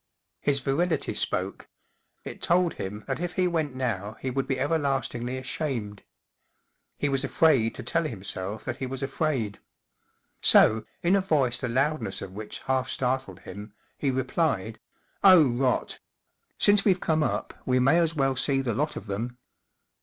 His virility spoke : it told him that if he went now he would be everlastingly ashamed. He was afraid to tell himself that he was afraid. So, in a voice the loudness of which half startled him, he replied : 44 Oh, rot ! Since we've come up we may as well see the lot of them."